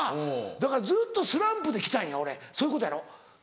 だからずっとスランプで来たんや俺そういうことやろ？